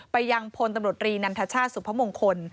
ไปยังพลตำรวจรีนันทชาติสุพมงคล